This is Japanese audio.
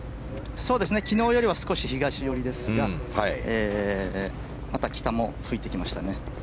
昨日よりは少し東寄りですがまた北も吹いてきましたね。